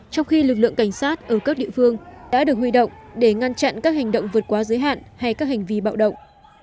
trong khi lực lượng cảnh sát ở các địa phương đã được huy động để ngăn chặn các hành động vượt qua giới hạn hay các hành vi bạo động